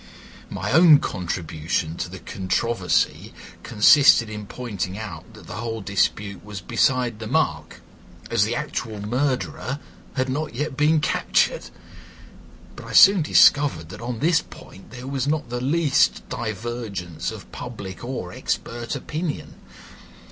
My own contribution to the controversy consisted in pointing out that the whole dispute was beside the mark, as the actual murderer had not yet been captured; but I soon discovered that on this point there was not the least divergence of public or expert opinion.